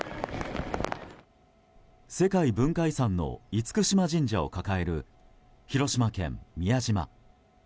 世界文化遺産の厳島神社を抱える広島県宮島。